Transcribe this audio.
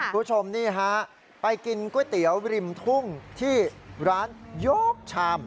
คุณผู้ชมนี่ฮะไปกินก๋วยเตี๋ยวริมทุ่งที่ร้านโยกชาม